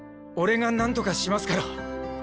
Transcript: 俺がなんとかしますから！